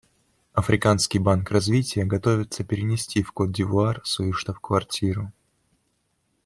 Африканский банк развития готовится перенести в Кот-д'Ивуар свою штаб-квартиру.